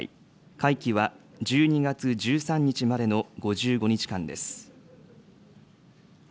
会期は１２月１３日までの５５日間です。